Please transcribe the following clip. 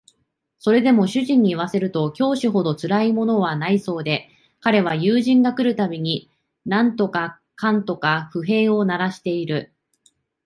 それでも主人に言わせると教師ほどつらいものはないそうで彼は友達が来る度に何とかかんとか不平を鳴らしている